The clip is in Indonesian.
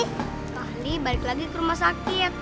sekali balik lagi ke rumah sakit